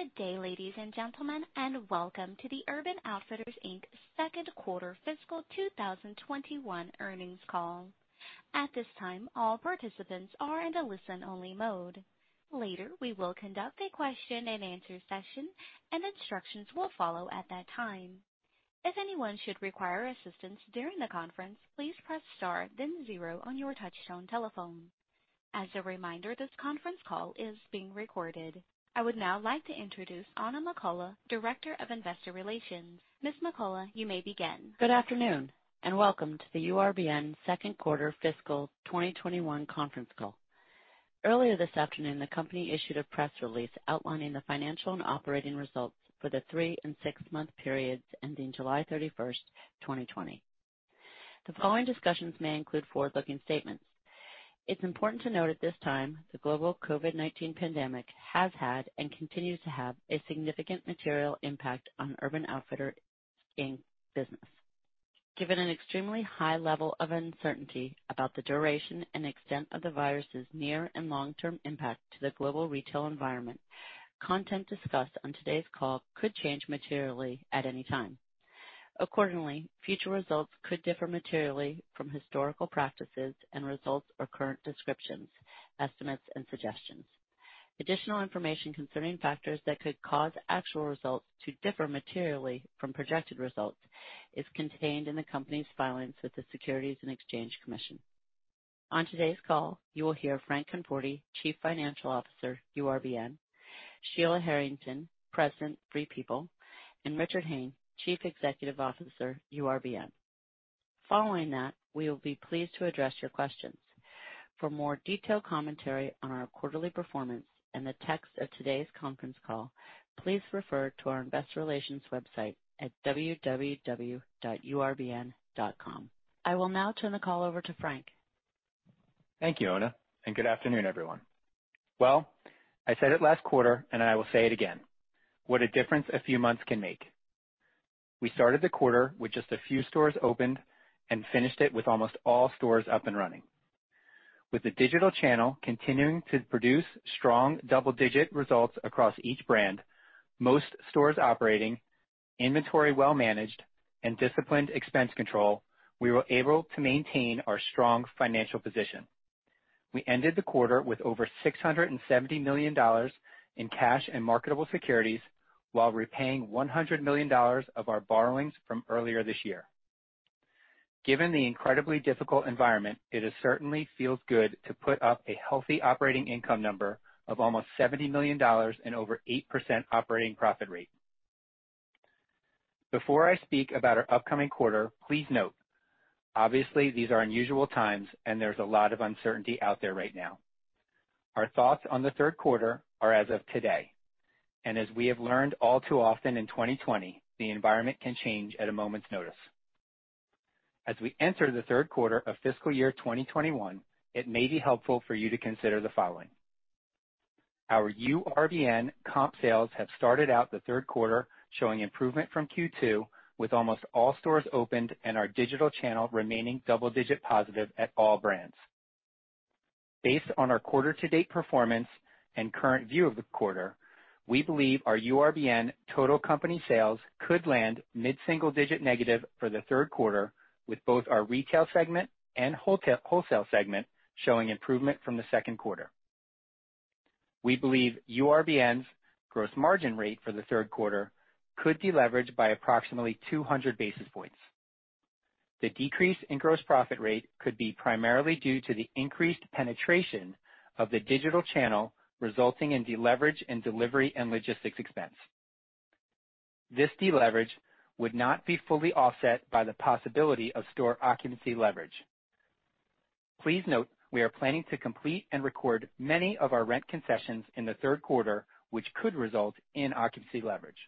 Good day, ladies and gentlemen, and welcome to the Urban Outfitters, Inc. second quarter fiscal 2021 earnings call. At this time, all participants are in a listen-only mode. Later, we will conduct a question and answer session, and instructions will follow at that time. If anyone should require assistance during the conference, please press star then zero on your touchtone telephone. As a reminder, this conference call is being recorded. I would now like to introduce Oona McCullough, Director of Investor Relations. Ms. McCullough, you may begin. Good afternoon, and welcome to the URBN second quarter fiscal 2021 conference call. Earlier this afternoon, the company issued a press release outlining the financial and operating results for the three and six-month periods ending July 31st, 2020. The following discussions may include forward-looking statements. It's important to note at this time, the global COVID-19 pandemic has had and continues to have a significant material impact on Urban Outfitters, Inc.'s business. Given an extremely high level of uncertainty about the duration and extent of the virus's near and long-term impact to the global retail environment, content discussed on today's call could change materially at any time. Accordingly, future results could differ materially from historical practices and results or current descriptions, estimates, and suggestions. Additional information concerning factors that could cause actual results to differ materially from projected results is contained in the company's filings with the Securities and Exchange Commission. On today's call, you will hear Frank Conforti, Chief Financial Officer, URBN, Sheila Harrington, President, Free People, and Richard Hayne, Chief Executive Officer, URBN. Following that, we will be pleased to address your questions. For more detailed commentary on our quarterly performance and the text of today's conference call, please refer to our investor relations website at www.urbn.com. I will now turn the call over to Frank. Thank you, Oona. Good afternoon, everyone. I said it last quarter. I will say it again. What a difference a few months can make. We started the quarter with just a few stores opened and finished it with almost all stores up and running. With the digital channel continuing to produce strong double-digit results across each brand, most stores operating, inventory well managed, and disciplined expense control, we were able to maintain our strong financial position. We ended the quarter with over $670 million in cash and marketable securities while repaying $100 million of our borrowings from earlier this year. Given the incredibly difficult environment, it certainly feels good to put up a healthy operating income number of almost $70 million and over 8% operating profit rate. Before I speak about our upcoming quarter, please note, obviously, these are unusual times, and there's a lot of uncertainty out there right now. Our thoughts on the third quarter are as of today, and as we have learned all too often in 2020, the environment can change at a moment's notice. As we enter the third quarter of fiscal year 2021, it may be helpful for you to consider the following. Our URBN comp sales have started out the third quarter showing improvement from Q2, with almost all stores opened and our digital channel remaining double-digit positive at all brands. Based on our quarter-to-date performance and current view of the quarter, we believe our URBN total company sales could land mid-single-digit negative for the third quarter with both our retail segment and wholesale segment showing improvement from the second quarter. We believe URBN's gross margin rate for the third quarter could deleverage by approximately 200 basis points. The decrease in gross profit rate could be primarily due to the increased penetration of the digital channel, resulting in deleverage in delivery and logistics expense. This deleverage would not be fully offset by the possibility of store occupancy leverage. Please note, we are planning to complete and record many of our rent concessions in the third quarter, which could result in occupancy leverage.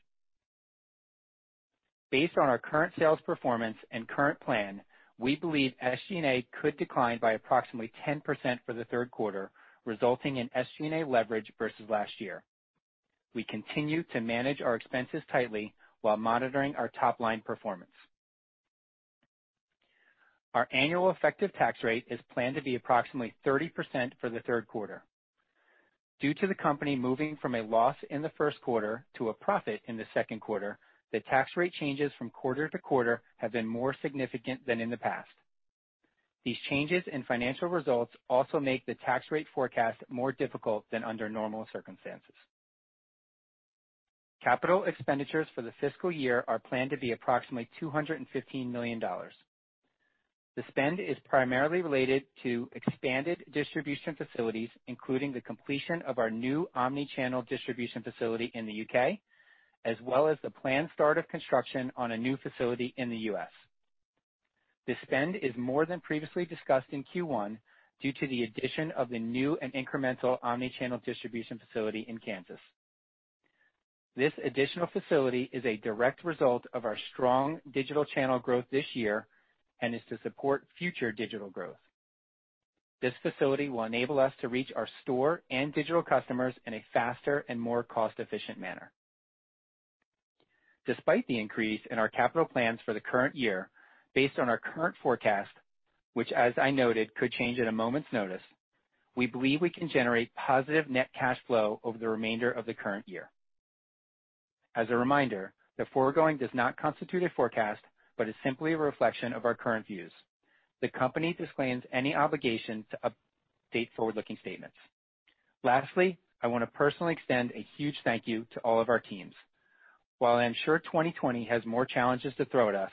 Based on our current sales performance and current plan, we believe SG&A could decline by approximately 10% for the third quarter, resulting in SG&A leverage versus last year. We continue to manage our expenses tightly while monitoring our top-line performance. Our annual effective tax rate is planned to be approximately 30% for the third quarter. Due to the company moving from a loss in the first quarter to a profit in the second quarter, the tax rate changes from quarter-to-quarter have been more significant than in the past. These changes in financial results also make the tax rate forecast more difficult than under normal circumstances. Capital expenditures for the fiscal year are planned to be approximately $215 million. The spend is primarily related to expanded distribution facilities, including the completion of our new omni-channel distribution facility in the U.K., as well as the planned start of construction on a new facility in the U.S. The spend is more than previously discussed in Q1 due to the addition of the new and incremental omni-channel distribution facility in Kansas. This additional facility is a direct result of our strong digital channel growth this year and is to support future digital growth. This facility will enable us to reach our store and digital customers in a faster and more cost-efficient manner. Despite the increase in our capital plans for the current year, based on our current forecast, which as I noted, could change at a moment's notice, we believe we can generate positive net cash flow over the remainder of the current year. As a reminder, the foregoing does not constitute a forecast, but is simply a reflection of our current views. The company disclaims any obligation to update forward-looking statements. Lastly, I want to personally extend a huge thank you to all of our teams. While I am sure 2020 has more challenges to throw at us,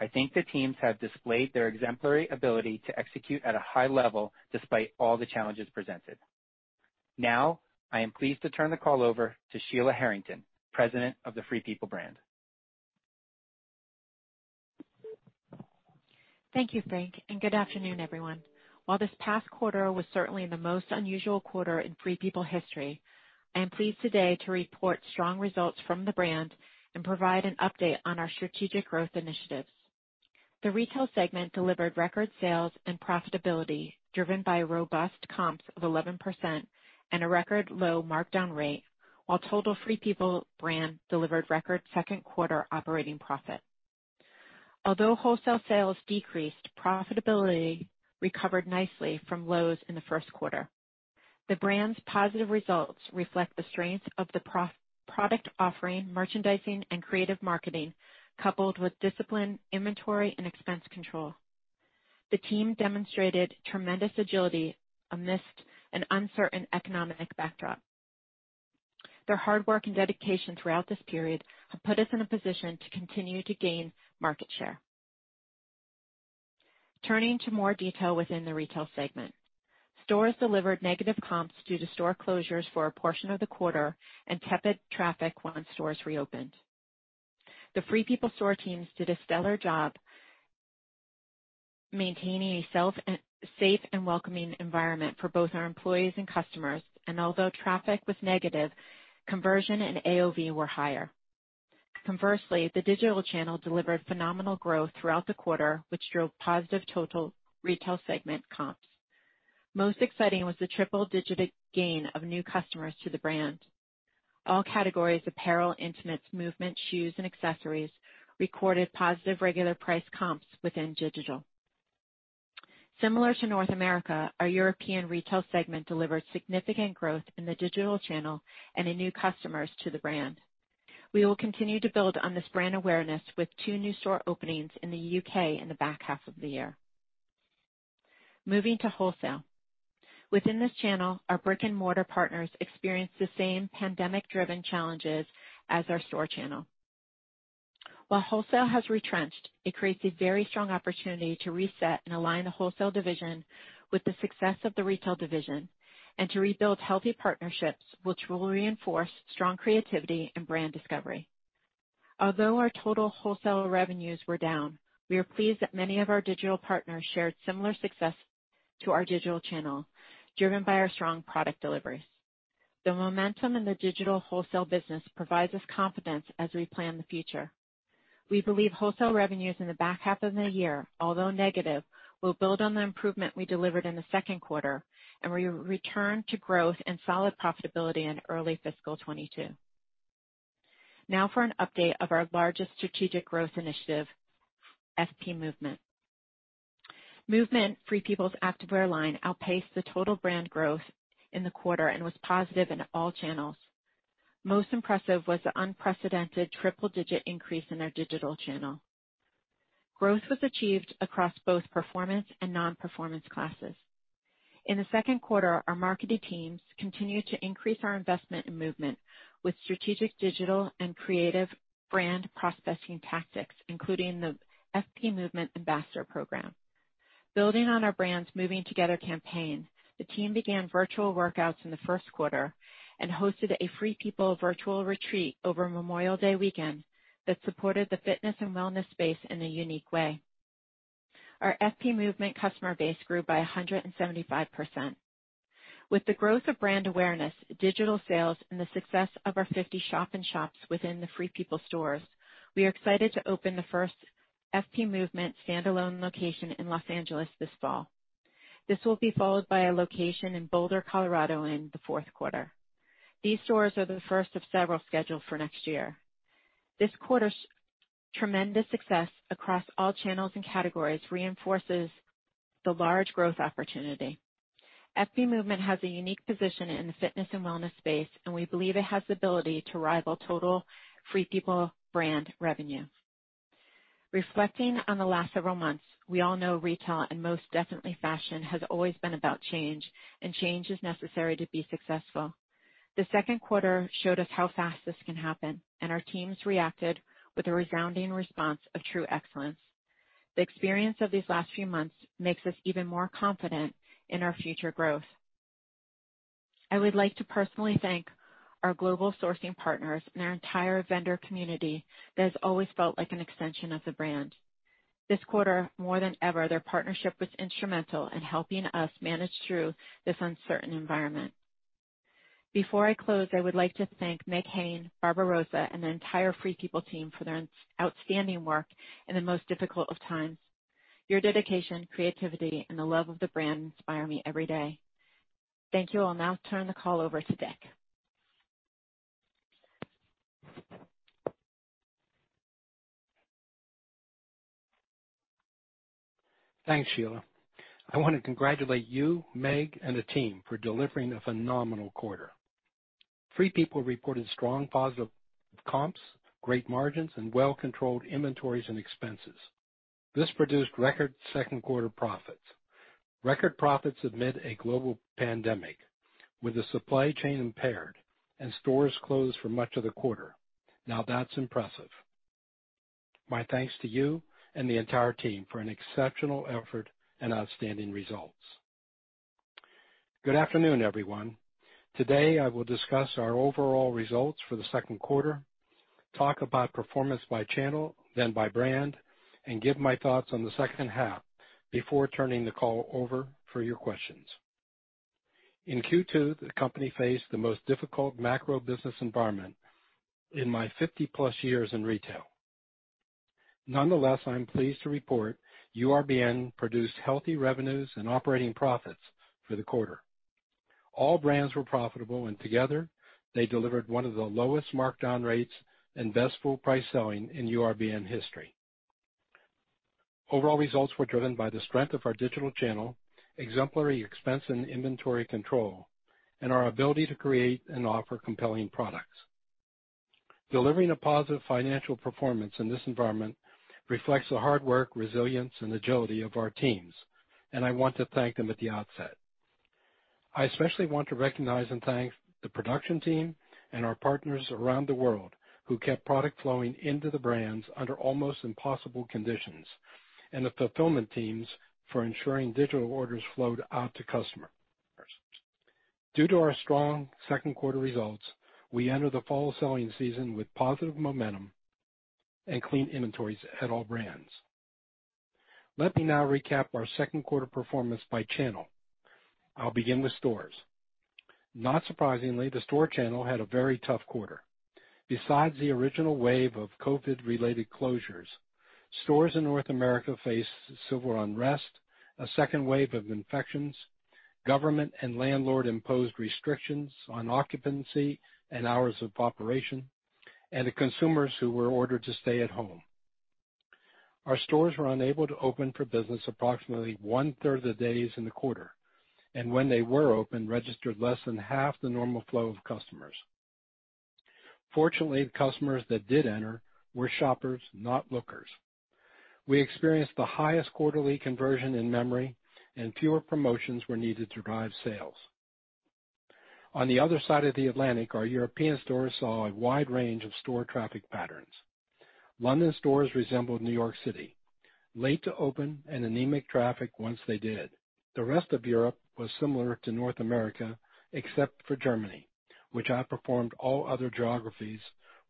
I think the teams have displayed their exemplary ability to execute at a high level despite all the challenges presented. Now, I am pleased to turn the call over to Sheila Harrington, President of the Free People brand. Thank you, Frank, good afternoon, everyone. While this past quarter was certainly the most unusual quarter in Free People history, I am pleased today to report strong results from the brand and provide an update on our strategic growth initiatives. The retail segment delivered record sales and profitability, driven by robust comps of 11% and a record low markdown rate, while total Free People brand delivered record second quarter operating profit. Although wholesale sales decreased, profitability recovered nicely from lows in the first quarter. The brand's positive results reflect the strength of the product offering, merchandising, and creative marketing, coupled with disciplined inventory and expense control. The team demonstrated tremendous agility amidst an uncertain economic backdrop. Their hard work and dedication throughout this period have put us in a position to continue to gain market share. Turning to more detail within the retail segment. Stores delivered negative comps due to store closures for a portion of the quarter and tepid traffic once stores reopened. The Free People store teams did a stellar job maintaining a safe and welcoming environment for both our employees and customers, and although traffic was negative, conversion and AOV were higher. Conversely, the digital channel delivered phenomenal growth throughout the quarter, which drove positive total retail segment comps. Most exciting was the triple-digit gain of new customers to the brand. All categories, apparel, intimates, movement, shoes, and accessories, recorded positive regular price comps within digital. Similar to North America, our European retail segment delivered significant growth in the digital channel and in new customers to the brand. We will continue to build on this brand awareness with two new store openings in the U.K. in the back half of the year. Moving to wholesale. Within this channel, our brick-and-mortar partners experienced the same pandemic-driven challenges as our store channel. While wholesale has retrenched, it creates a very strong opportunity to reset and align the wholesale division with the success of the retail division, and to rebuild healthy partnerships, which will reinforce strong creativity and brand discovery. Although our total wholesale revenues were down, we are pleased that many of our digital partners shared similar success to our digital channel, driven by our strong product deliveries. The momentum in the digital wholesale business provides us confidence as we plan the future. We believe wholesale revenues in the back half of the year, although negative, will build on the improvement we delivered in the second quarter, and we return to growth and solid profitability in early fiscal 2022. Now for an update of our largest strategic growth initiative, FP Movement. Movement, Free People's activewear line, outpaced the total brand growth in the quarter and was positive in all channels. Most impressive was the unprecedented triple-digit increase in our digital channel. Growth was achieved across both performance and nonperformance classes. In the second quarter, our marketing teams continued to increase our investment in FP Movement with strategic digital and creative brand prospecting tactics, including the FP Movement Ambassador program. Building on our brand's Moving Together campaign, the team began virtual workouts in the first quarter and hosted a Free People virtual retreat over Memorial Day weekend that supported the fitness and wellness space in a unique way. Our FP Movement customer base grew by 175%. With the growth of brand awareness, digital sales, and the success of our 50 shop-in-shops within the Free People stores, we are excited to open the first FP Movement standalone location in Los Angeles this fall. This will be followed by a location in Boulder, Colorado, in the fourth quarter. These stores are the first of several scheduled for next year. This quarter's tremendous success across all channels and categories reinforces the large growth opportunity. FP Movement has a unique position in the fitness and wellness space, and we believe it has the ability to rival total Free People brand revenue. Reflecting on the last several months, we all know retail, and most definitely fashion, has always been about change, and change is necessary to be successful. The second quarter showed us how fast this can happen, and our teams reacted with a resounding response of true excellence. The experience of these last few months makes us even more confident in our future growth. I would like to personally thank our global sourcing partners and our entire vendor community that has always felt like an extension of the brand. This quarter, more than ever, their partnership was instrumental in helping us manage through this uncertain environment. Before I close, I would like to thank Meg Hayne, Barbara Rozsas, and the entire Free People team for their outstanding work in the most difficult of times. Your dedication, creativity, and the love of the brand inspire me every day. Thank you. I'll now turn the call over to Dick. Thanks, Sheila. I want to congratulate you, Meg, and the team for delivering a phenomenal quarter. Free People reported strong positive comps, great margins, and well-controlled inventories and expenses. This produced record second quarter profits. Record profits amid a global pandemic with the supply chain impaired and stores closed for much of the quarter. Now that's impressive. My thanks to you and the entire team for an exceptional effort and outstanding results. Good afternoon, everyone. Today, I will discuss our overall results for the second quarter, talk about performance by channel, then by brand, and give my thoughts on the second half before turning the call over for your questions. In Q2, the company faced the most difficult macro business environment in my 50+ years in retail. Nonetheless, I am pleased to report URBN produced healthy revenues and operating profits for the quarter. All brands were profitable, and together, they delivered one of the lowest markdown rates and best full price selling in URBN history. Overall results were driven by the strength of our digital channel, exemplary expense and inventory control, and our ability to create and offer compelling products. Delivering a positive financial performance in this environment reflects the hard work, resilience, and agility of our teams, and I want to thank them at the outset. I especially want to recognize and thank the production team and our partners around the world who kept product flowing into the brands under almost impossible conditions, and the fulfillment teams for ensuring digital orders flowed out to customers. Due to our strong second quarter results, we enter the fall selling season with positive momentum and clean inventories at all brands. Let me now recap our second quarter performance by channel. I'll begin with stores. Not surprisingly, the store channel had a very tough quarter. Besides the original wave of COVID-related closures, stores in North America faced civil unrest, a second wave of infections, government and landlord-imposed restrictions on occupancy and hours of operation, and consumers who were ordered to stay at home. Our stores were unable to open for business approximately 1/3 of the days in the quarter, and when they were open, registered less than half the normal flow of customers. Fortunately, customers that did enter were shoppers, not lookers. We experienced the highest quarterly conversion in memory, and fewer promotions were needed to drive sales. On the other side of the Atlantic, our European stores saw a wide range of store traffic patterns. London stores resembled New York City, late to open and anemic traffic once they did. The rest of Europe was similar to North America, except for Germany, which outperformed all other geographies,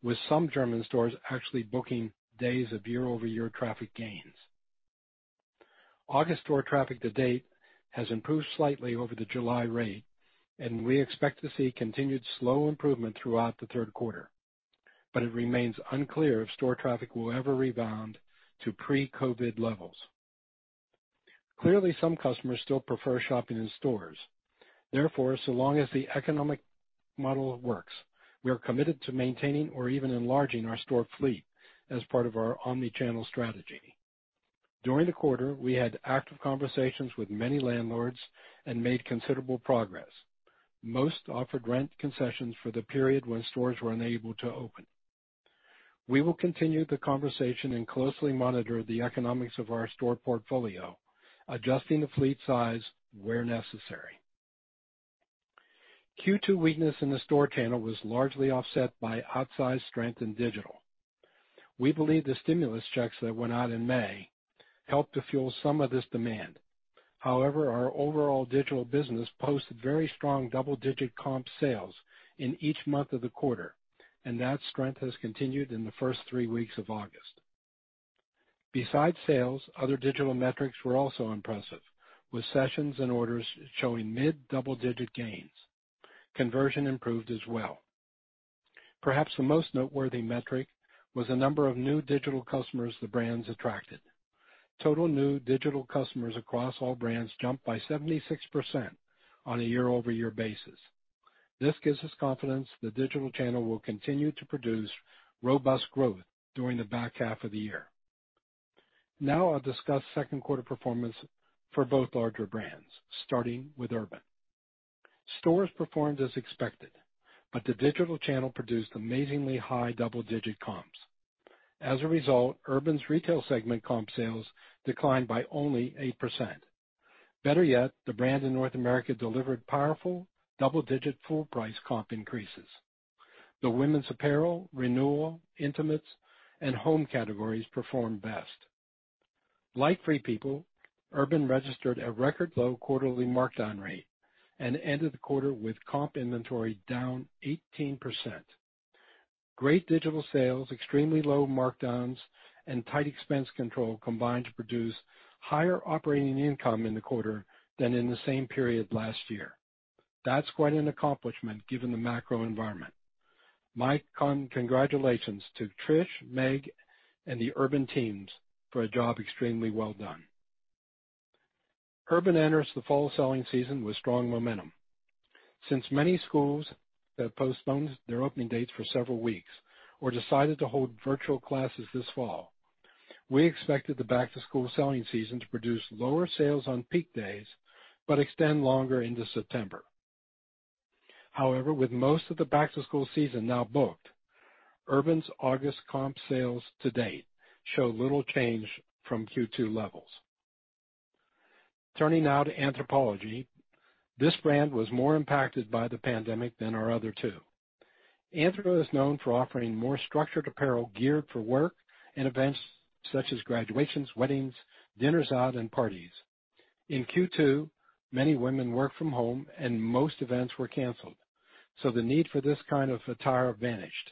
with some German stores actually booking days of year-over-year traffic gains. August store traffic to date has improved slightly over the July rate, and we expect to see continued slow improvement throughout the third quarter. It remains unclear if store traffic will ever rebound to pre-COVID-19 levels. Clearly, some customers still prefer shopping in stores. Therefore, so long as the economic model works, we are committed to maintaining or even enlarging our store fleet as part of our omni-channel strategy. During the quarter, we had active conversations with many landlords and made considerable progress. Most offered rent concessions for the period when stores were unable to open. We will continue the conversation and closely monitor the economics of our store portfolio, adjusting the fleet size where necessary. Q2 weakness in the store channel was largely offset by outsized strength in digital. We believe the stimulus checks that went out in May helped to fuel some of this demand. Our overall digital business posted very strong double-digit comp sales in each month of the quarter, and that strength has continued in the first three weeks of August. Besides sales, other digital metrics were also impressive, with sessions and orders showing mid-double-digit gains. Conversion improved as well. Perhaps the most noteworthy metric was the number of new digital customers the brands attracted. Total new digital customers across all brands jumped by 76% on a year-over-year basis. This gives us confidence the digital channel will continue to produce robust growth during the back half of the year. I'll discuss second quarter performance for both larger brands, starting with Urban. Stores performed as expected, but the digital channel produced amazingly high double-digit comps. As a result, Urban's retail segment comp sales declined by only 8%. Better yet, the brand in North America delivered powerful double-digit full price comp increases. The women's apparel, renewal, intimates, and home categories performed best. Like Free People, Urban registered a record low quarterly markdown rate and ended the quarter with comp inventory down 18%. Great digital sales, extremely low markdowns, and tight expense control combined to produce higher operating income in the quarter than in the same period last year. That's quite an accomplishment given the macro environment. My congratulations to Trish, Meg, and the Urban teams for a job extremely well done. Urban enters the fall selling season with strong momentum. Since many schools have postponed their opening dates for several weeks or decided to hold virtual classes this fall, we expected the back-to-school selling season to produce lower sales on peak days but extend longer into September. With most of the back-to-school season now booked, Urban's August comp sales to date show little change from Q2 levels. Turning now to Anthropologie, this brand was more impacted by the pandemic than our other two. Anthro is known for offering more structured apparel geared for work and events such as graduations, weddings, dinners out, and parties. In Q2, many women worked from home and most events were canceled, the need for this kind of attire vanished.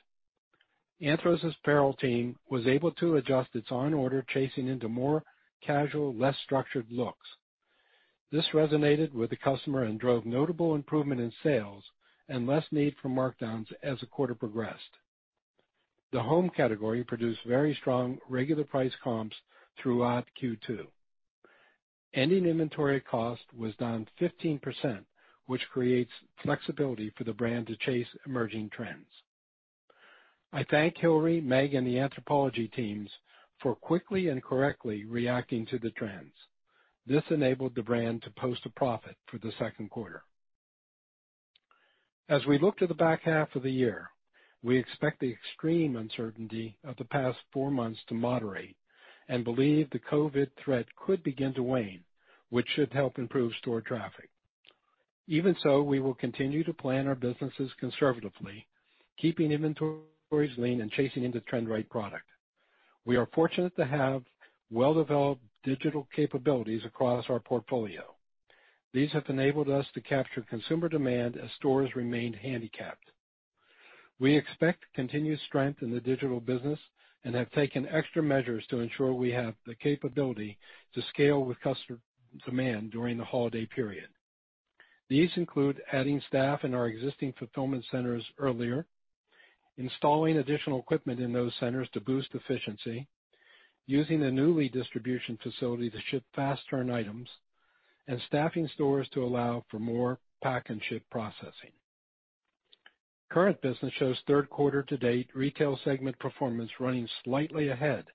Anthro's apparel team was able to adjust its on-order chasing into more casual, less structured looks. This resonated with the customer and drove notable improvement in sales and less need for markdowns as the quarter progressed. The home category produced very strong regular price comps throughout Q2. Ending inventory cost was down 15%, which creates flexibility for the brand to chase emerging trends. I thank Hillary, Meg, and the Anthropologie teams for quickly and correctly reacting to the trends. This enabled the brand to post a profit for the second quarter. As we look to the back half of the year, we expect the extreme uncertainty of the past four months to moderate, and believe the COVID threat could begin to wane, which should help improve store traffic. Even so, we will continue to plan our businesses conservatively, keeping inventories lean and chasing into trend-right product. We are fortunate to have well-developed digital capabilities across our portfolio. These have enabled us to capture consumer demand as stores remained handicapped. We expect continued strength in the digital business and have taken extra measures to ensure we have the capability to scale with customer demand during the holiday period. These include adding staff in our existing fulfillment centers earlier, installing additional equipment in those centers to boost efficiency, using the Nuuly distribution facility to ship fast turn items, and staffing stores to allow for more pack-and-ship processing. Current business shows third quarter to date retail segment performance running slightly ahead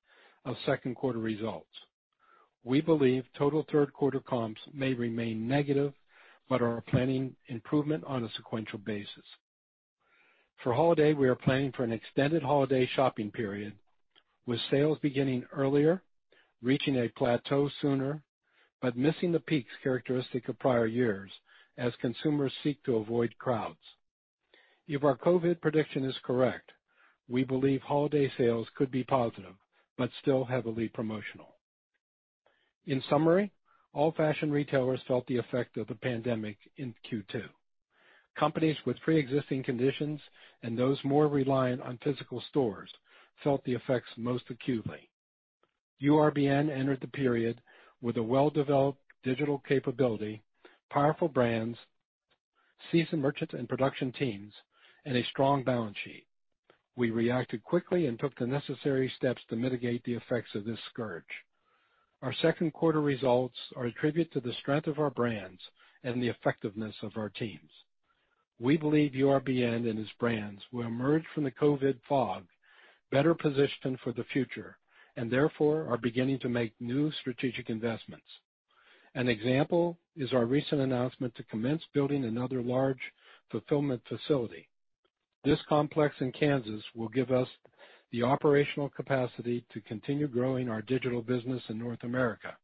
of second quarter results. We believe total third quarter comps may remain negative, but are planning improvement on a sequential basis. For holiday, we are planning for an extended holiday shopping period with sales beginning earlier, reaching a plateau sooner, but missing the peaks characteristic of prior years as consumers seek to avoid crowds. If our COVID prediction is correct, we believe holiday sales could be positive but still heavily promotional. In summary, all fashion retailers felt the effect of the pandemic in Q2. Companies with preexisting conditions and those more reliant on physical stores felt the effects most acutely. URBN entered the period with a well-developed digital capability, powerful brands, seasoned merchants and production teams, and a strong balance sheet. We reacted quickly and took the necessary steps to mitigate the effects of this scourge. Our second quarter results are a tribute to the strength of our brands and the effectiveness of our teams. We believe URBN and its brands will emerge from the COVID fog better positioned for the future and therefore are beginning to make new strategic investments. An example is our recent announcement to commence building another large fulfillment facility. This complex in Kansas will give us the operational capacity to continue growing our digital business in North America.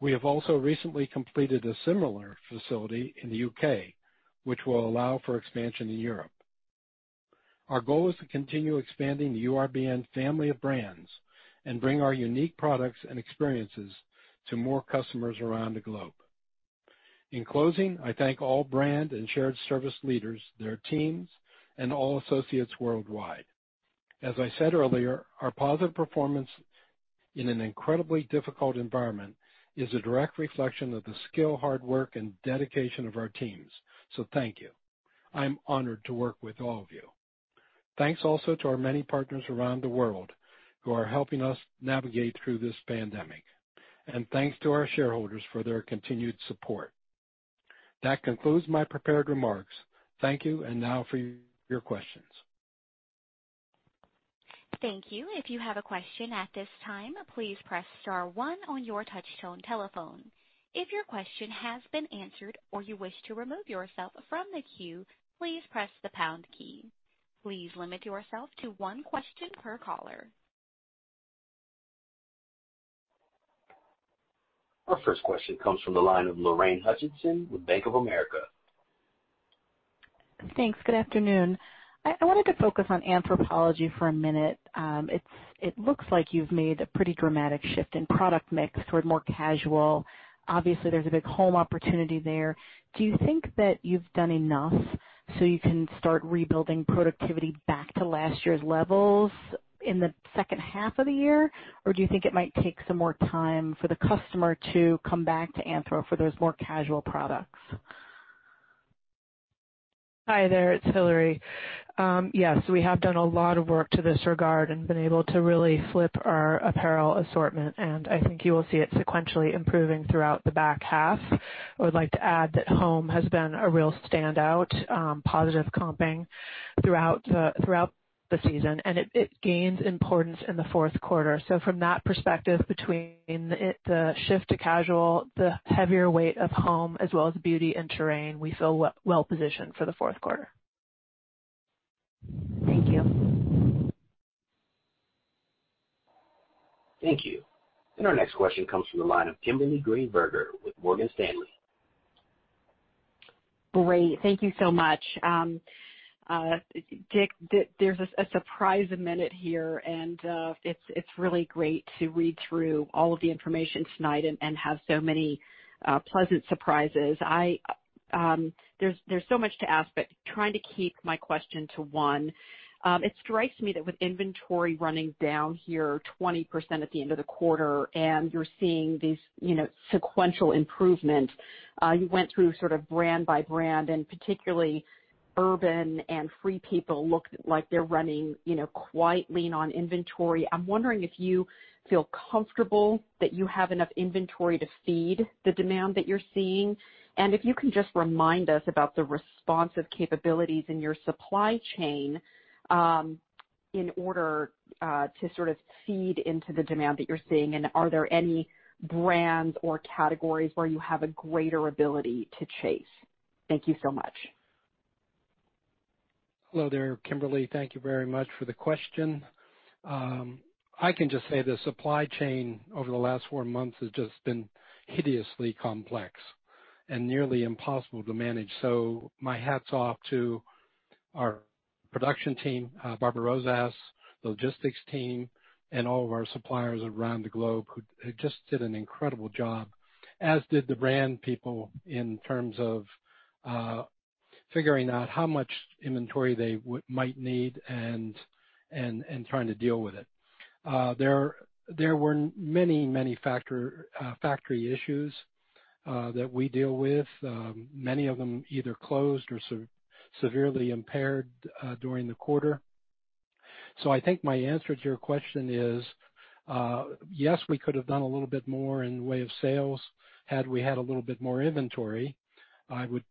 We have also recently completed a similar facility in the U.K., which will allow for expansion in Europe. Our goal is to continue expanding the URBN family of brands and bring our unique products and experiences to more customers around the globe. In closing, I thank all brand and shared service leaders, their teams, and all associates worldwide. As I said earlier, our positive performance in an incredibly difficult environment is a direct reflection of the skill, hard work and dedication of our teams. Thank you. I'm honored to work with all of you. Thanks also to our many partners around the world who are helping us navigate through this pandemic, and thanks to our shareholders for their continued support. That concludes my prepared remarks. Thank you. Now for your questions. Thank you. If you have a question at this time, please press star one on your touchtone telephone. If your question has been answered or you wish to remove yourself from the queue, please press the pound key. Please limit yourself to one question per caller. Our first question comes from the line of Lorraine Hutchinson with Bank of America. Thanks. Good afternoon. I wanted to focus on Anthropologie for a minute. It looks like you've made a pretty dramatic shift in product mix toward more casual. Obviously, there's a big home opportunity there. Do you think that you've done enough so you can start rebuilding productivity back to last year's levels in the second half of the year? Or do you think it might take some more time for the customer to come back to Anthro for those more casual products? Hi there, it's Hillary. Yes, we have done a lot of work to this regard and been able to really flip our apparel assortment, and I think you will see it sequentially improving throughout the back half. I would like to add that home has been a real standout, positive comping throughout the season, and it gains importance in the fourth quarter. From that perspective, between the shift to casual, the heavier weight of home, as well as beauty and Terrain, we feel well positioned for the fourth quarter. Thank you. Thank you. Our next question comes from the line of Kimberly Greenberger with Morgan Stanley. Great. Thank you so much. Dick, there's a surprise a minute here, and it's really great to read through all of the information tonight and have so many pleasant surprises. There's so much to ask, trying to keep my question to one. It strikes me that with inventory running down here 20% at the end of the quarter, and you're seeing these sequential improvement, you went through sort of brand by brand, and particularly Urban and Free People look like they're running quite lean on inventory. I'm wondering if you feel comfortable that you have enough inventory to feed the demand that you're seeing, and if you can just remind us about the responsive capabilities in your supply chain, in order to sort of feed into the demand that you're seeing, and are there any brands or categories where you have a greater ability to chase? Thank you so much. Hello there, Kimberly. Thank you very much for the question. I can just say the supply chain over the last four months has just been hideously complex and nearly impossible to manage. My hats off to our production team, Barbara Rosas, logistics team, and all of our suppliers around the globe who just did an incredible job, as did the brand people in terms of figuring out how much inventory they might need and trying to deal with it. There were many factory issues that we deal with. Many of them either closed or severely impaired during the quarter. I think my answer to your question is, yes, we could have done a little bit more in the way of sales had we had a little bit more inventory. I would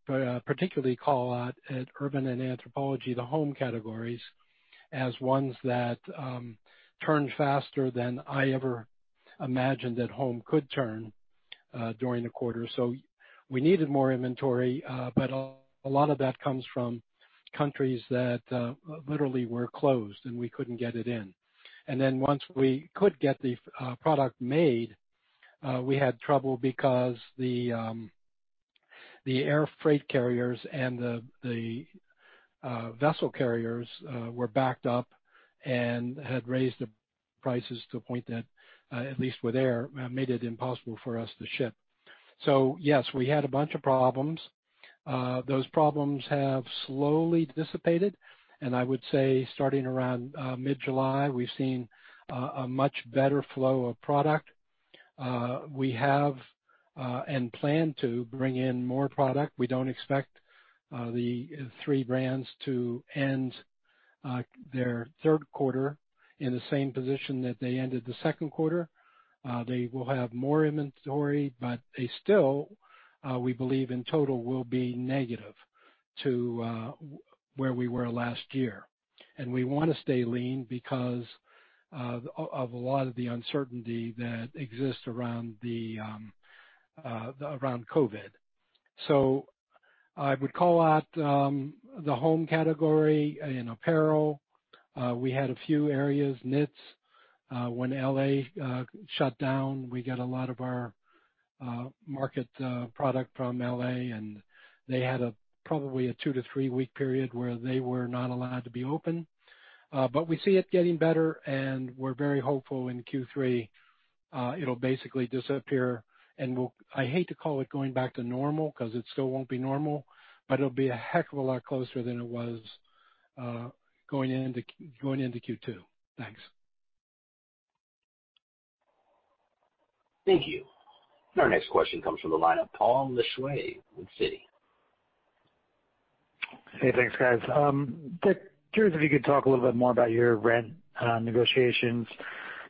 particularly call out Urban and Anthropologie, the home categories, as ones that turned faster than I ever imagined that home could turn during the quarter. We needed more inventory, but a lot of that comes from countries that literally were closed, and we couldn't get it in. Once we could get the product made, we had trouble because the air freight carriers and the vessel carriers were backed up and had raised the prices to a point that, at least with air, made it impossible for us to ship. Yes, we had a bunch of problems. Those problems have slowly dissipated, and I would say starting around mid-July, we've seen a much better flow of product. We have, and plan to, bring in more product. We don't expect the three brands to end their third quarter in the same position that they ended the second quarter. They will have more inventory, they still, we believe, in total, will be negative to where we were last year. We want to stay lean because of a lot of the uncertainty that exists around COVID. I would call out the home category and apparel. We had a few areas, knits. When L.A. shut down, we get a lot of our market product from L.A., and they had probably a two to three-week period where they were not allowed to be open. We see it getting better, and we're very hopeful in Q3 it'll basically disappear and I hate to call it going back to normal because it still won't be normal, but it'll be a heck of a lot closer than it was going into Q2. Thanks. Thank you. Our next question comes from the line of Paul Lejuez with Citi. Hey, thanks, guys. Richard, curious if you could talk a little bit more about your rent negotiations,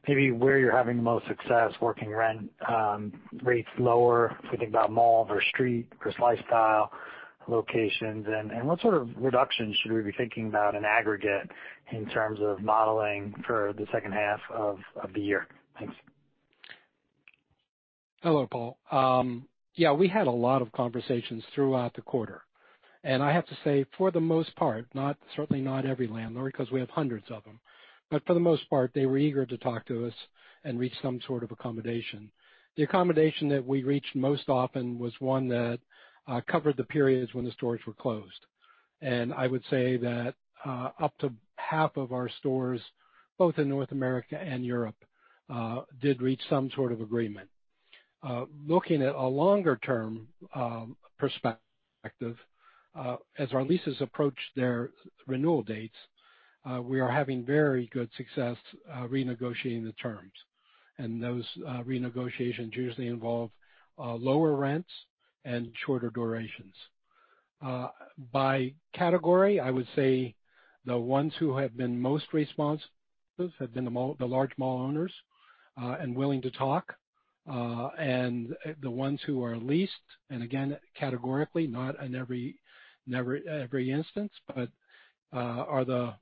maybe where you're having the most success working rent rates lower, if we think about mall or street versus lifestyle locations, and what sort of reductions should we be thinking about in aggregate in terms of modeling for the second half of the year? Thanks. Hello, Paul. Yeah, we had a lot of conversations throughout the quarter. I have to say, for the most part, certainly not every landlord, because we have hundreds of them. For the most part, they were eager to talk to us and reach some sort of accommodation. The accommodation that we reached most often was one that covered the periods when the stores were closed. I would say that up to half of our stores, both in North America and Europe, did reach some sort of agreement. Looking at a longer-term perspective, as our leases approach their renewal dates. We are having very good success renegotiating the terms, and those renegotiations usually involve lower rents and shorter durations. By category, I would say the ones who have been most responsive have been the large mall owners and willing to talk. The ones who are least, and again, categorically, not in every instance, but are the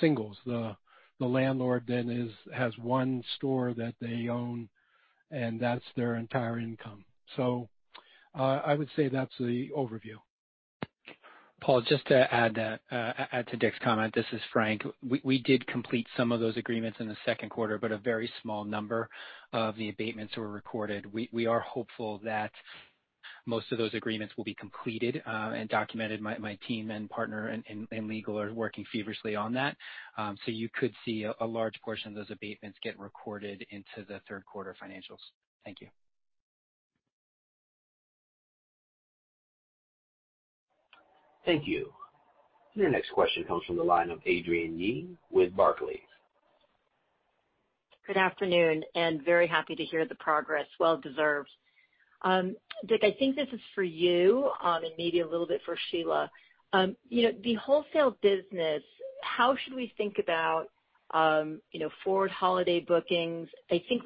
singles, the landlord has one store that they own, and that's their entire income. I would say that's the overview. Paul, just to add to Dick's comment. This is Frank. We did complete some of those agreements in the second quarter, but a very small number of the abatements were recorded. We are hopeful that most of those agreements will be completed and documented. My team and partner in legal are working feverishly on that. You could see a large portion of those abatements get recorded into the third quarter financials. Thank you. Thank you. Your next question comes from the line of Adrienne Yih with Barclays. Good afternoon, and very happy to hear the progress. Well deserved. Dick, I think this is for you, and maybe a little bit for Sheila. The wholesale business, how should we think about forward holiday bookings? I think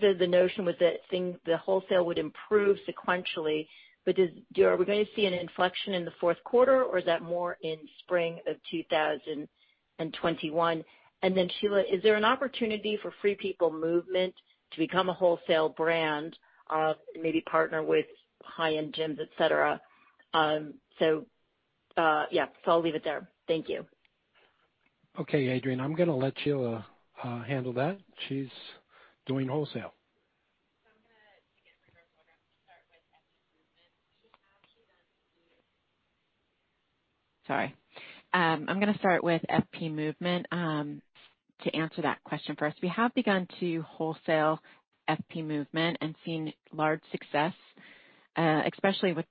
the notion was that the wholesale would improve sequentially, but are we going to see an inflection in the fourth quarter, or is that more in spring of 2021? Sheila, is there an opportunity for Free People Movement to become a wholesale brand, maybe partner with high-end gyms, et cetera? Yeah. I'll leave it there. Thank you. Okay, Adrienne, I'm gonna let Sheila handle that. She's doing wholesale. I'm gonna start with FP Movement. To answer that question first, we have begun to wholesale FP Movement and seen large success, especially with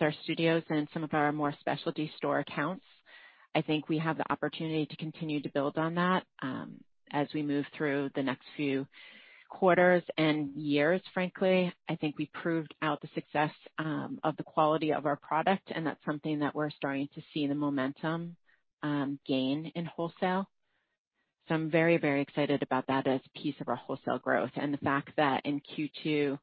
our studios and some of our more specialty store accounts. I think we have the opportunity to continue to build on that as we move through the next few quarters and years, frankly. I think we proved out the success of the quality of our product, and that's something that we're starting to see the momentum gain in wholesale. I'm very excited about that as a piece of our wholesale growth, and the fact that in Q2,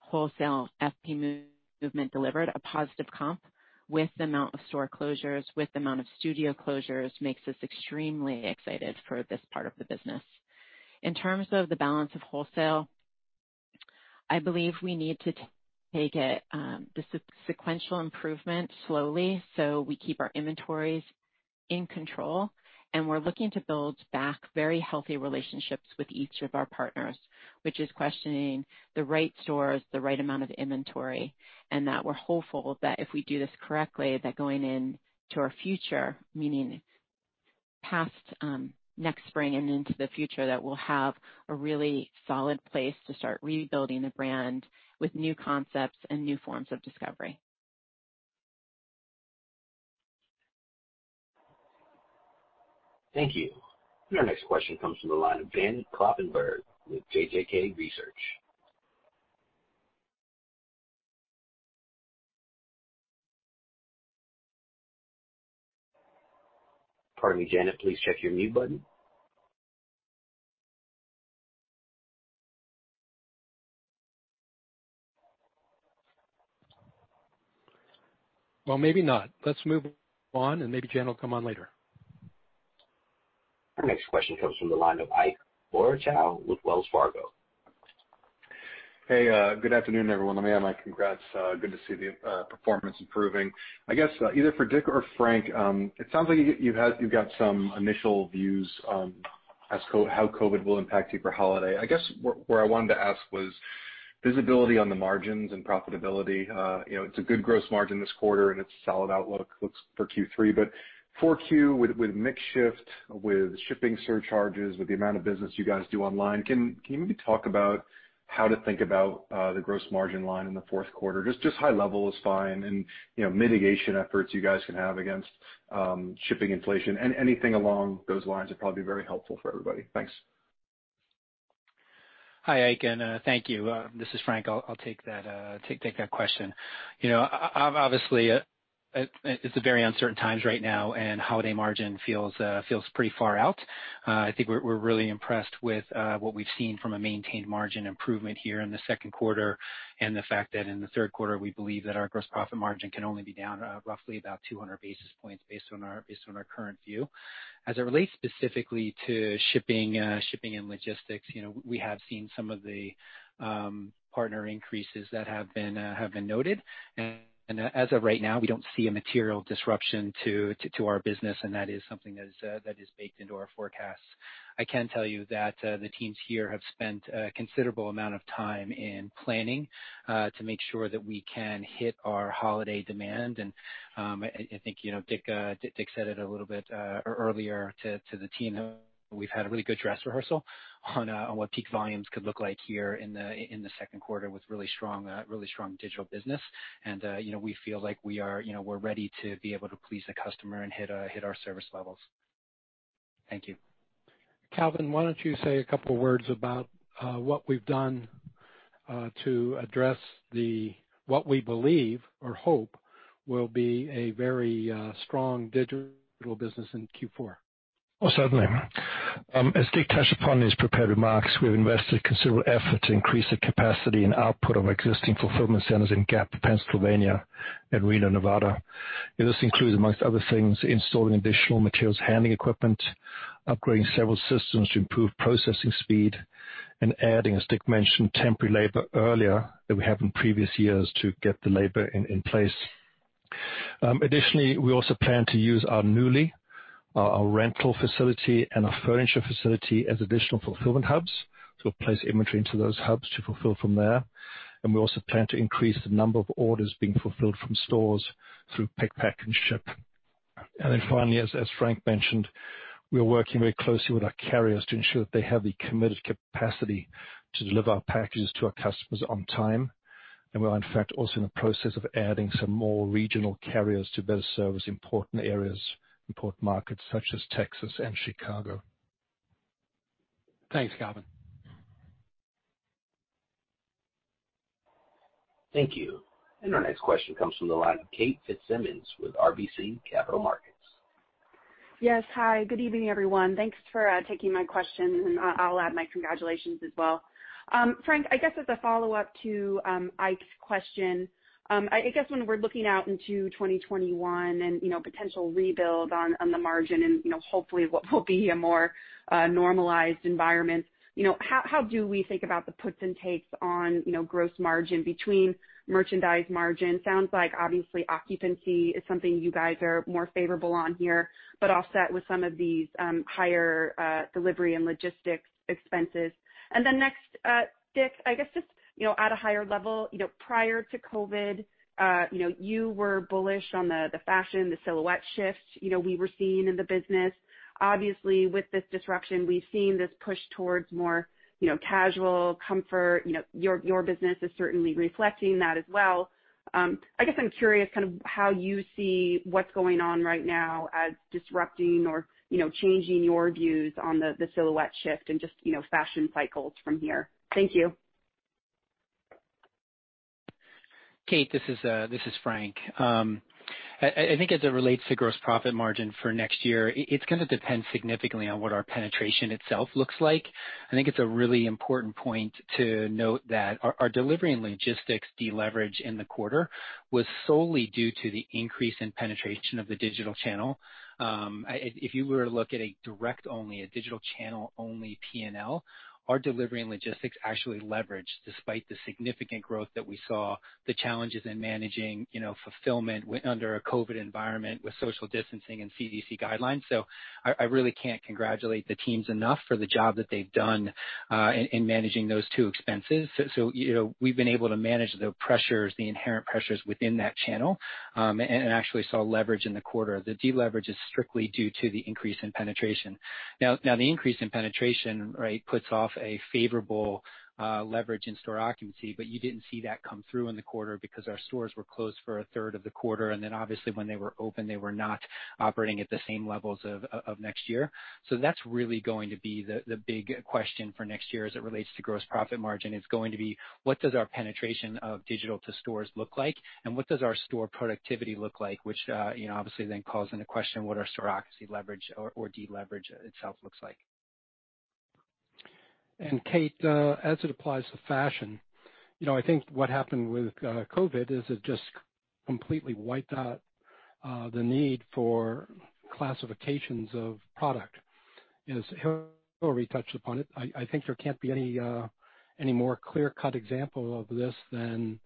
wholesale FP Movement delivered a positive comp with the amount of store closures, with the amount of studio closures, makes us extremely excited for this part of the business. In terms of the balance of wholesale, I believe we need to take it, the sequential improvement, slowly, so we keep our inventories in control, and we're looking to build back very healthy relationships with each of our partners, which is questioning the right stores, the right amount of inventory, and that we're hopeful that if we do this correctly, that going in to our future, meaning past next spring and into the future, that we'll have a really solid place to start rebuilding the brand with new concepts and new forms of discovery. Thank you. Our next question comes from the line of Janet Kloppenburg with JJK Research. Pardon me, Janet, please check your mute button. Well, maybe not. Let's move on, and maybe Janet will come on later. Our next question comes from the line of Ike Boruchow with Wells Fargo. Hey, good afternoon, everyone. Let me add my congrats. Good to see the performance improving. I guess, either for Dick or Frank, it sounds like you've got some initial views on how COVID will impact you for holiday. I guess where I wanted to ask was visibility on the margins and profitability. It's a good gross margin this quarter, and it's a solid outlook for Q3. 4Q, with mix shift, with shipping surcharges, with the amount of business you guys do online, can you maybe talk about how to think about the gross margin line in the fourth quarter? Just high level is fine. Mitigation efforts you guys can have against shipping inflation and anything along those lines would probably be very helpful for everybody. Thanks. Hi, Ike, and thank you. This is Frank. I'll take that question. Obviously, it's very uncertain times right now, and holiday margin feels pretty far out. I think we're really impressed with what we've seen from a maintained margin improvement here in the second quarter, and the fact that in the third quarter, we believe that our gross profit margin can only be down roughly about 200 basis points based on our current view. As a relief specifically to shipping, shipping and logistics, we have seen some of the partner increases that have been noted. As of right now, we don't see a material disruption to our business, and that is something that is baked into our forecasts. I can tell you that the teams here have spent a considerable amount of time in planning to make sure that we can hit our holiday demand, I think Richard said it a little bit earlier to the team. We've had a really good dress rehearsal on what peak volumes could look like here in the second quarter with really strong digital business. We feel like we're ready to be able to please the customer and hit our service levels. Thank you. Calvin, why don't you say a couple of words about what we've done to address what we believe or hope will be a very strong digital business in Q4? Oh, certainly. As Dick touched upon in his prepared remarks, we have invested considerable effort to increase the capacity and output of our existing fulfillment centers in Gap, Pennsylvania, and Reno, Nevada. This includes, amongst other things, installing additional materials handling equipment, upgrading several systems to improve processing speed, and adding, as Dick mentioned, temporary labor earlier than we have in previous years to get the labor in place. We also plan to use our Nuuly, our rental facility and our furniture facility as additional fulfillment hubs. We'll place inventory into those hubs to fulfill from there. We also plan to increase the number of orders being fulfilled from stores through pick, pack, and ship. Finally, as Frank mentioned, we are working very closely with our carriers to ensure that they have the committed capacity to deliver our packages to our customers on time. We are, in fact, also in the process of adding some more regional carriers to better service important areas, important markets such as Texas and Chicago. Thanks, Calvin. Thank you. Our next question comes from the line of Kate Fitzsimons with RBC Capital Markets. Yes. Hi, good evening, everyone. Thanks for taking my question, and I'll add my congratulations as well. Frank, I guess as a follow-up to Ike's question, I guess when we're looking out into 2021 and potential rebuild on the margin and hopefully what will be a more normalized environment, how do we think about the puts and takes on gross margin between merchandise margin? Sounds like obviously occupancy is something you guys are more favorable on here, but offset with some of these higher delivery and logistics expenses. Next, Dick, I guess just at a higher level, prior to COVID, you were bullish on the fashion, the silhouette shift we were seeing in the business. Obviously, with this disruption, we've seen this push towards more casual comfort. Your business is certainly reflecting that as well. I guess I'm curious how you see what's going on right now as disrupting or changing your views on the silhouette shift and just fashion cycles from here. Thank you. Kate, this is Frank. I think as it relates to gross profit margin for next year, it's going to depend significantly on what our penetration itself looks like. I think it's a really important point to note that our delivery and logistics deleverage in the quarter was solely due to the increase in penetration of the digital channel. If you were to look at a direct only, a digital channel only P&L, our delivery and logistics actually leveraged despite the significant growth that we saw, the challenges in managing fulfillment under a COVID environment with social distancing and CDC guidelines. I really can't congratulate the teams enough for the job that they've done in managing those two expenses. We've been able to manage the inherent pressures within that channel, and actually saw leverage in the quarter. The deleverage is strictly due to the increase in penetration. The increase in penetration puts off a favorable leverage in store occupancy, but you didn't see that come through in the quarter because our stores were closed for a third of the quarter, and then obviously when they were open, they were not operating at the same levels of next year. That's really going to be the big question for next year as it relates to gross profit margin. It's going to be, what does our penetration of digital to stores look like, and what does our store productivity look like? Which obviously then calls into question what our store occupancy leverage or deleverage itself looks like. Kate, as it applies to fashion, I think what happened with COVID is it just completely wiped out the need for classifications of product. As Hillary touched upon it, I think there can't be any more clear-cut example of this than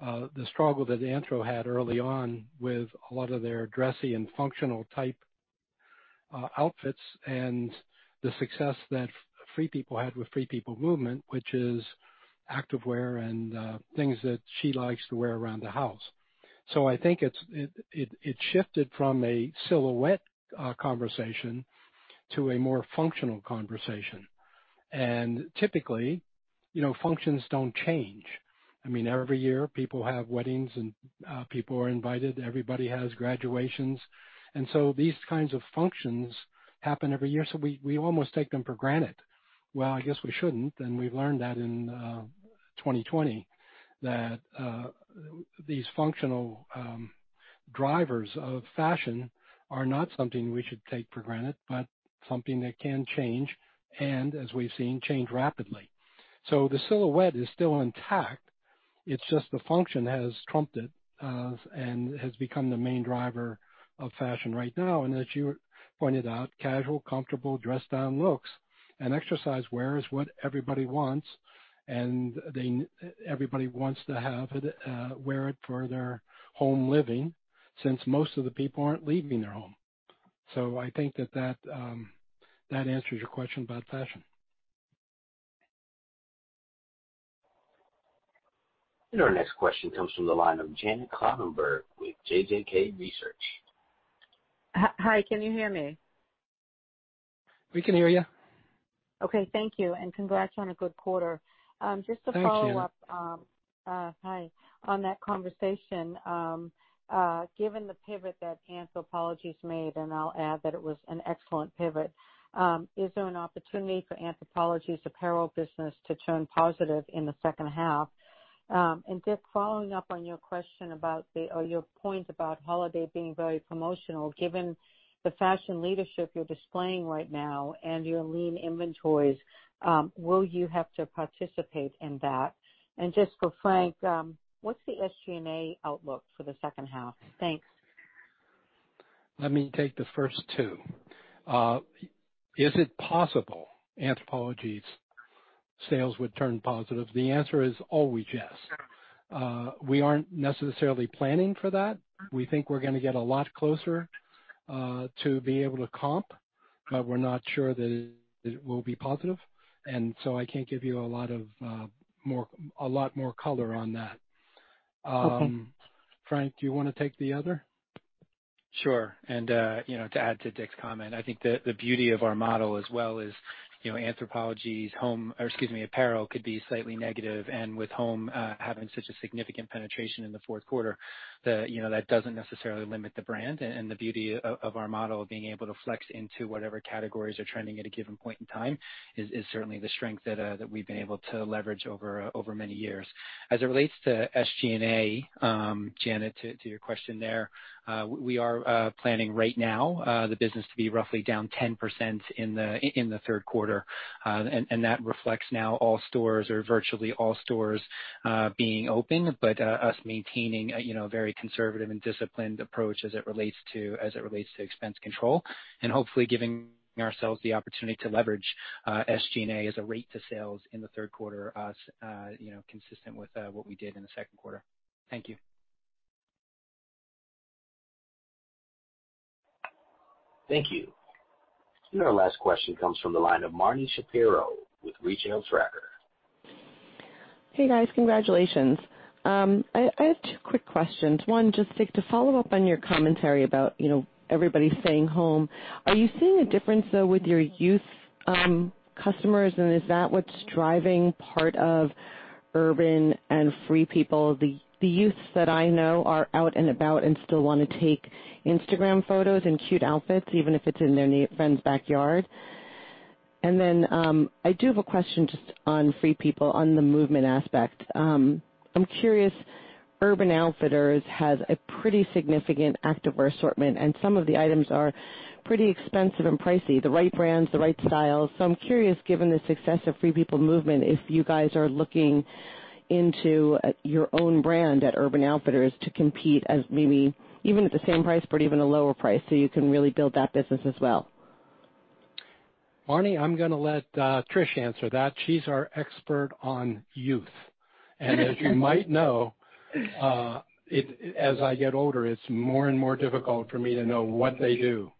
the struggle that Anthro had early on with a lot of their dressy and functional type outfits, and the success that Free People had with Free People Movement, which is activewear and things that she likes to wear around the house. I think it shifted from a silhouette conversation to a more functional conversation. Typically, functions don't change. Every year, people have weddings, and people are invited. Everybody has graduations. These kinds of functions happen every year, so we almost take them for granted. Well, I guess we shouldn't, and we've learned that in 2020, that these functional drivers of fashion are not something we should take for granted, but something that can change, and as we've seen, change rapidly. The silhouette is still intact. It's just the function has trumped it, and has become the main driver of fashion right now. As you pointed out, casual, comfortable, dressed down looks and exercise wear is what everybody wants, and everybody wants to wear it for their home living since most of the people aren't leaving their home. I think that that answers your question about fashion. Our next question comes from the line of Janet Kloppenburg with JJK Research. Hi, can you hear me? We can hear you. Okay, thank you, and congrats on a good quarter. Thank you. Just to follow up on that conversation, given the pivot that Anthropologie's made, and I'll add that it was an excellent pivot, is there an opportunity for Anthropologie's apparel business to turn positive in the second half? Dick, following up on your point about holiday being very promotional, given the fashion leadership you're displaying right now and your lean inventories, will you have to participate in that? Just for Frank, what's the SG&A outlook for the second half? Thanks. Let me take the first two. Is it possible Anthropologie's sales would turn positive? The answer is always yes. We aren't necessarily planning for that. We think we're gonna get a lot closer to be able to comp, but we're not sure that it will be positive, and so I can't give you a lot more color on that. Okay. Frank, do you wanna take the other? Sure. To add to Dick's comment, I think the beauty of our model as well is Anthropologie's apparel could be slightly negative, and with home having such a significant penetration in the fourth quarter, that doesn't necessarily limit the brand. The beauty of our model, being able to flex into whatever categories are trending at a given point in time, is certainly the strength that we've been able to leverage over many years. As it relates to SG&A, Janet, to your question there, we are planning right now the business to be roughly down 10% in the third quarter, and that reflects now all stores, or virtually all stores being open, but us maintaining a very conservative and disciplined approach as it relates to expense control, and hopefully giving ourselves the opportunity to leverage SG&A as a rate to sales in the third quarter, consistent with what we did in the second quarter. Thank you. Thank you. Our last question comes from the line of Marni Shapiro with Retail Tracker. Hey, guys. Congratulations. I have two quick questions. One, just Richard, to follow up on your commentary about everybody staying home, are you seeing a difference, though, with your youth customers, and is that what's driving part of Urban and Free People? The youths that I know are out and about and still wanna take Instagram photos in cute outfits, even if it's in their friend's backyard. Then, I do have a question just on Free People, on the FP Movement aspect. I'm curious, Urban Outfitters has a pretty significant activewear assortment, and some of the items are pretty expensive and pricey, the right brands, the right styles. I'm curious, given the success of FP Movement, if you guys are looking into your own brand at Urban Outfitters to compete as maybe even at the same price, but even a lower price, so you can really build that business as well? Marni, I'm gonna let Trish answer that. She's our expert on youth. As you might know, as I get older, it's more and more difficult for me to know what they do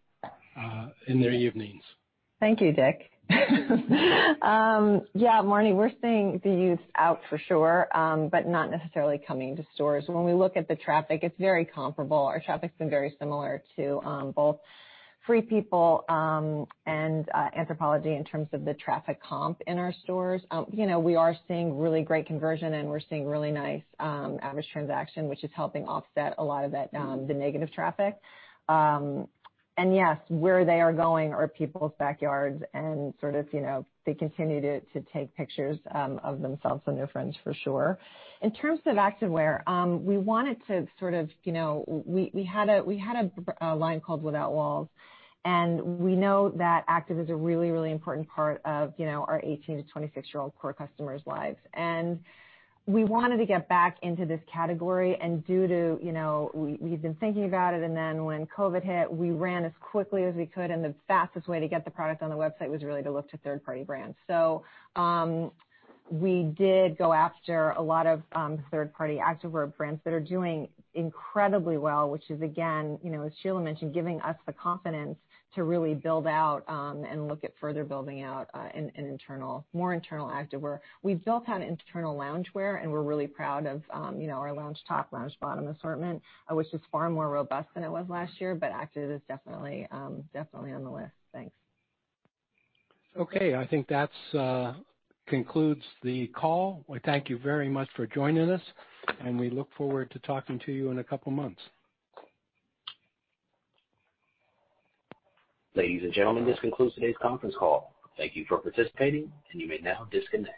in their evenings. Thank you, Dick. Yeah, Marni, we're seeing the youths out for sure, but not necessarily coming to stores. When we look at the traffic, it's very comparable. Our traffic's been very similar to both Free People and Anthropologie in terms of the traffic comp in our stores. We are seeing really great conversion, and we're seeing really nice average transaction, which is helping offset a lot of the negative traffic. Yes, where they are going are people's backyards, and they continue to take pictures of themselves and their friends, for sure. In terms of activewear, we had a line called Without Walls, we know that active is a really important part of our 18-26-year-old core customers' lives. We wanted to get back into this category, and we've been thinking about it, and then when COVID-19 hit, we ran as quickly as we could, and the fastest way to get the product on the website was really to look to third-party brands. We did go after a lot of third-party activewear brands that are doing incredibly well, which is, again, as Sheila mentioned, giving us the confidence to really build out and look at further building out a more internal activewear. We've built out an internal loungewear, and we're really proud of our lounge top, lounge bottom assortment, which is far more robust than it was last year. Active is definitely on the list. Thanks. Okay. I think that concludes the call. We thank you very much for joining us, and we look forward to talking to you in a couple of months. Ladies and gentlemen, this concludes today's conference call. Thank you for participating, and you may now disconnect.